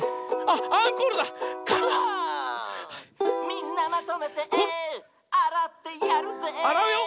「みんなまとめてあらってやるぜ」